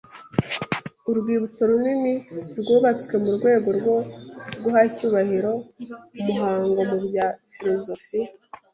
Urwibutso runini rwubatswe mu rwego rwo guha icyubahiro umuhanga mu bya filozofiya.